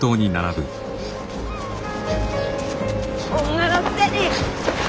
女のくせに！